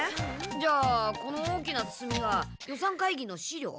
じゃあこの大きなつつみは予算会議の資料？